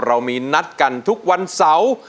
เรามีนัดกันทุกวันเสาร์